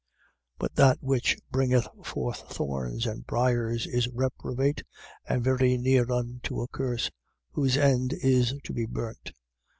6:8. But that which bringeth forth thorns and briers is reprobate and very near unto a curse: whose end is to be burnt.